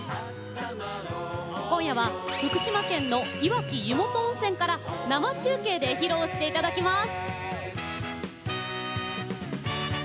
今夜は福島県のいわき湯本温泉から生中継で披露していただきます。